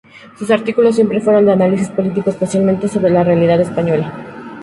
Sus artículos siempre fueron de análisis político, especialmente sobre la realidad española.